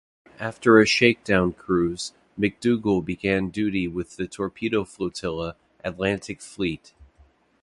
After a shakedown cruise, "McDougal" began duty with the Torpedo Flotilla, Atlantic Fleet.